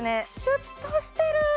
シュッとしてる！